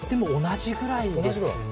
同じぐらいですね。